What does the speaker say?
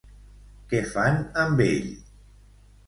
Què fan amb ell?